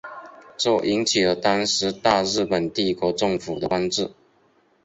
这引起了当时大日本帝国政府的关注。